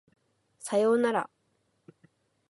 左様なら